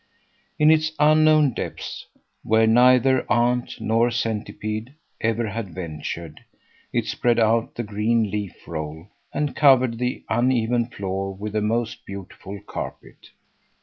In its unknown depths, where neither ant nor centipede ever had ventured, it spread out the green leaf roll and covered the uneven floor with the most beautiful carpet.